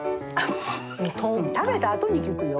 食べたあとに効くよ。